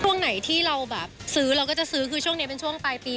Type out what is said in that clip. ช่วงไหนที่เราแบบซื้อเราก็จะซื้อคือช่วงนี้เป็นช่วงปลายปี